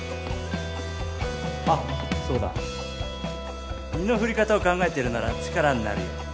あッそうだ身の振り方を考えてるなら力になるよ